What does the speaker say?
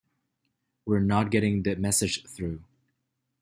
We're not getting the message through.